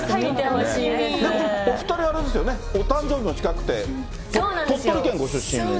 お２人、あれですよね、お誕生日も近くて、鳥取県ご出身で。